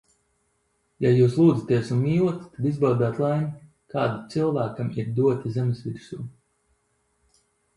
Ja jūs lūdzaties un mīlat, tad izbaudāt laimi, kāda cilvēkam ir dota zemes virsū.